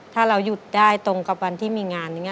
ถ้าเราหยุดได้ตรงกับวันที่มีงานอย่างนี้